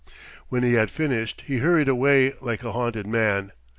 When he had finished, he hurried away like a haunted man.